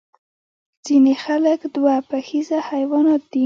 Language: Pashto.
ځینې خلک دوه پښیزه حیوانات دي